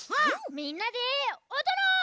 みんなでおどろう！